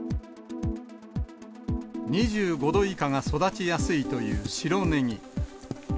２５度以下が育ちやすいという白ネギ。